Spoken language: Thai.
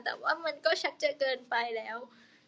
แต่ว่ามันก็ชัดเจนเกินไปแล้ว